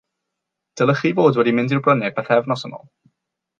Dylech chi fod wedi mynd i'r bryniau bythefnos yn ôl.